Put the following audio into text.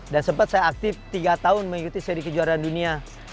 dan sempat saya aktif tiga tahun mengikuti seri kejuaraan dunia